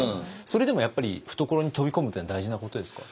それでもやっぱり懐に飛び込むというのは大事なことですか？